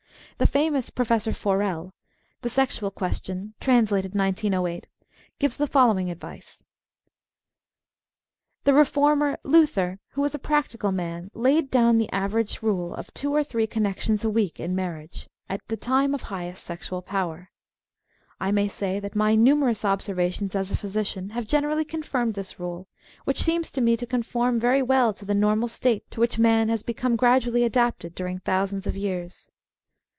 '' The famous Professor Forel ("The Sexual Question," transl. 1908) gives the following advice :— The reformer, Luther, who was a practical man, laid down the average rule of two or three connections a week in marriage, at the time of highest sexual power. I may say that my numerous observations as a physician have generally confirmed this rule, which seems to me to conform very well to the normal state to which man* has become gradually adapted during thousands of years.